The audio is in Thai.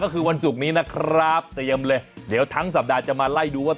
ก็คือวันศุกร์นี้นะครับเตรียมเลยเดี๋ยวทั้งสัปดาห์จะมาไล่ดูว่า